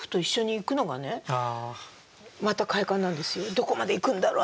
「どこまでいくんだろう？